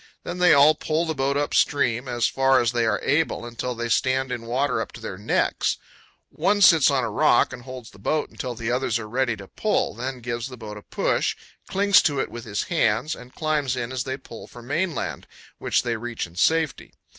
Then they all pull the boat up stream as far as they are able, until they stand in water up to their necks. One 156 6 CANYONS OF THE COLORADO. sits on a rock and holds the boat until the others are ready to pull, then gives the boat a push, clings to it with his hands, and climbs in as they pull for mainland, which they reach in safety.